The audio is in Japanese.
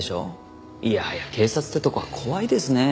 いやはや警察ってとこは怖いですね。